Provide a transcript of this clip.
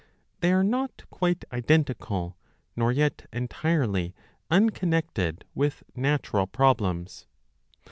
They are not quite identical nor yet entirely unconnected with Natural 25 Problems.